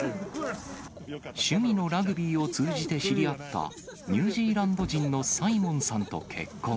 趣味のラグビーを通じて知り合った、ニュージーランド人のサイモンさんと結婚。